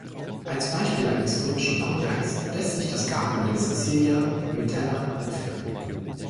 Als Beispiel eines römischen Bauwerks lässt sich das Grabmal der Caecilia Metella anführen.